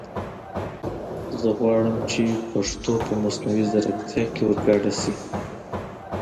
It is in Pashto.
زه غواړم چې پښتو په مصنوعي زیرکتیا کې ور ګډه شي